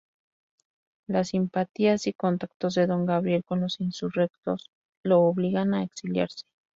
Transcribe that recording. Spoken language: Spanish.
Las simpatías y contactos de Don Gabriel con los insurrectos lo obligan a exiliarse.